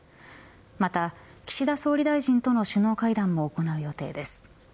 また岸田総理大臣との首脳会談も行う予定です。